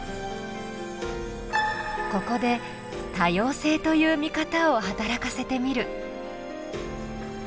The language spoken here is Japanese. ここで多様性という見方を働かせてみる。